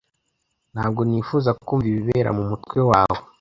Ntabwo nifuza kumva ibibera mumutwe wawe.